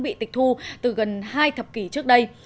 bị tịch thu từ gần hai thập kỷ trước đây